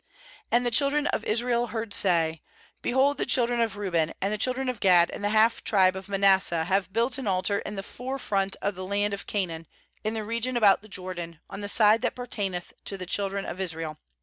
"And the children of Israel heard say: 'Behold, the children of Reuben and the children of Gad and the half tribe of Manasseh have built an altar in the forefront of the land of Canaan, in the region about the Jordan, on the side that pertaineth to the children of Israel.'